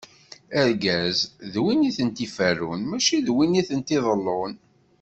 Argaz, d win i tent-iferrun, mačči d win i tent-iḍellun.